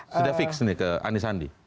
sudah fix nih ke anies andi